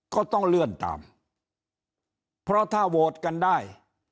ก็ต้องเลื่อนตามเพราะถ้าโหวตกันได้